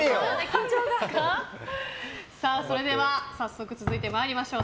それでは早速続いて参りましょう。